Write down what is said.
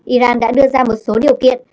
iran đã đưa ra một số điều kiện